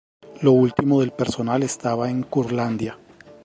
Lo último del personal estaba en Curlandia.